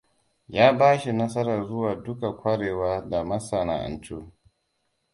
Ya bashi nasarar zuwa duka kwarewa da masana'antu.